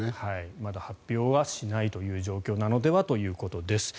まだ発表はしないという状況なのではということです。